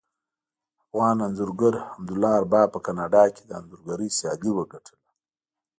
افغان انځورګر حمدالله ارباب په کاناډا کې د انځورګرۍ سیالي وګټله